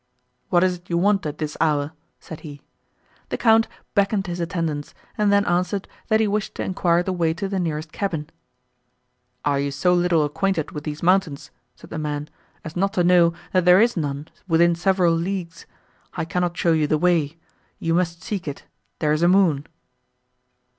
"What is it you want at this hour?" said he. The Count beckoned his attendants, and then answered, that he wished to enquire the way to the nearest cabin. "Are you so little acquainted with these mountains," said the man, "as not to know, that there is none, within several leagues? I cannot show you the way; you must seek it—there's a moon."